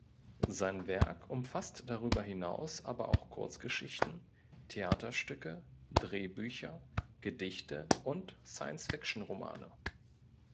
Sein Werk umfasst darüber hinaus aber auch Kurzgeschichten, Theaterstücke, Drehbücher, Gedichte und Science-Fiction-Romane.